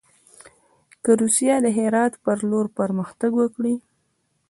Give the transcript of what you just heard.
که روسیه د هرات پر لور پرمختګ وکړي.